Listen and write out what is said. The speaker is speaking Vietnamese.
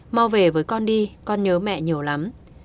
mau về với con đi con nhớ mẹ nhiều lắm